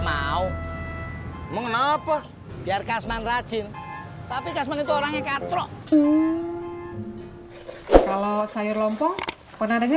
mau mengapa biar kasman rajin tapi kasman itu orangnya katro kalau sayur lompong pernah denger